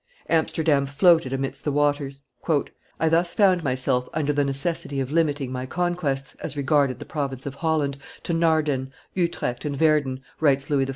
Amsterdam floated amidst the waters. "I thus found myself under the necessity of limiting my conquests, as regarded the province of Holland, to Naarden, Utrecht, and Werden," writes Louis XIV.